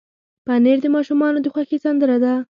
پنېر د ماشومانو د خوښې سندره ده.